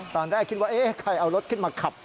ตอนแรกคิดว่าใครเอารถขึ้นมาขับ